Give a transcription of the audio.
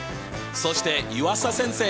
そして湯浅先生！